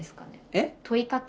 えっ？